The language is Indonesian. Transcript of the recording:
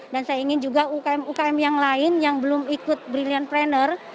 dan saya ingin juga umkm yang lain yang belum ikut brilliantpreneur